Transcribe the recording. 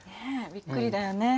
びっくりだよね。